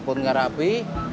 pun nggak rapi